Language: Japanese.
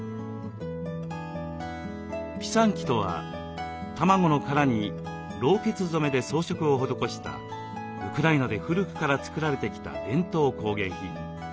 ピサンキとは卵の殻にろうけつ染めで装飾を施したウクライナで古くから作られてきた伝統工芸品。